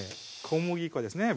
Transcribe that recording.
小麦粉ですね